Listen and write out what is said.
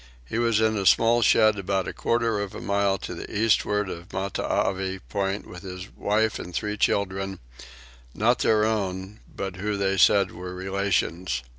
He was in a small shed about a quarter of a mile to the eastward of Matavai point with his wife and three children, not their own but who they said were relations.